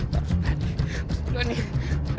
masalahnya sudah nih